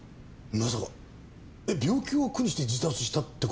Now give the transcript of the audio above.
まさか病気を苦にして自殺したって事ですか？